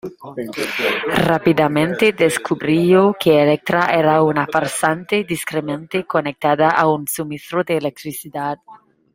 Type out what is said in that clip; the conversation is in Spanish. Rápidamente descubrió que Electra era una farsante discretamente conectada a un suministro de electricidad.